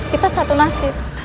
kita satu nasib